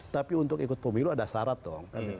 tapi untuk ikut pemilu ada syarat dong